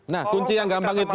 nah kunci yang gampang itu